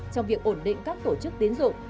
trong việc ổn định các tổ chức tín dụng